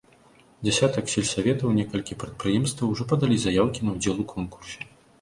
Дзясятак сельсаветаў, некалькі прадпрыемстваў ужо падалі заяўкі на ўдзел у конкурсе.